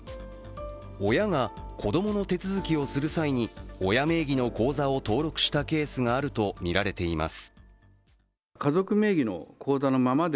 親が子供の手続きをする際に親名義の口座を登録したケースがあるとみられています。